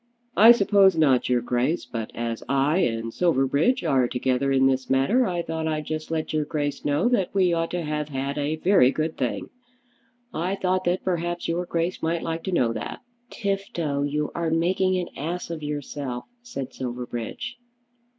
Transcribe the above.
"I suppose not, your Grace. But as I and Silverbridge are together in this matter I thought I'd just let your Grace know that we ought to have had a very good thing. I thought that perhaps your Grace might like to know that." "Tifto, you are making an ass of yourself," said Silverbridge.